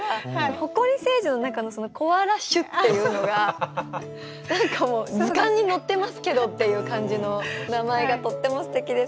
埃星人の中のコアラ種っていうのがもう図鑑に載ってますけどっていう感じの名前がとってもすてきですね。